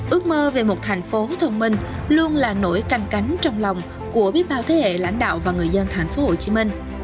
ước mơ về một thành phố thông minh luôn là nỗi canh cánh trong lòng của biết bao thế hệ lãnh đạo và người dân thành phố hồ chí minh